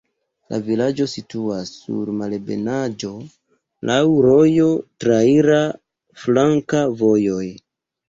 La vilaĝo situas sur malebenaĵo, laŭ rojo, traira flanka vojoj.